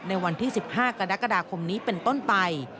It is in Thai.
ในวันที่๑๕กรกฎาคมนี้เป็นต้นไป